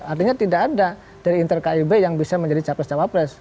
artinya tidak ada dari inter kib yang bisa menjadi capres cawapres